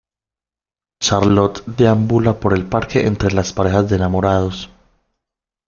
Charlot deambula por el parque entre las parejas de enamorados.